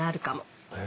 へえ。